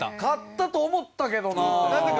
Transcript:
勝ったと思ったけどな。